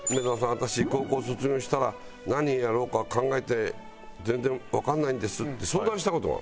私高校卒業したら何やろうか考えて全然わかんないんです」って相談した事が。